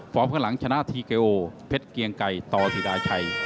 ข้างหลังชนะทีเกโอเพชรเกียงไก่ต่อศิราชัย